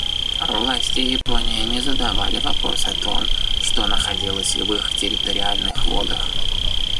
Власти Японии не задавали вопрос о том, что находилось в их территориальных водах.